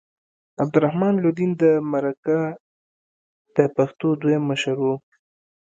عبدالرحمن لودین د مرکه د پښتو دویم مشر و.